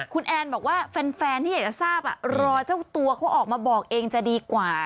คุณแอนบอกว่าแฟนที่อยากจะทราบรอเจ้าตัวเขาออกมาบอกเองจะดีกว่า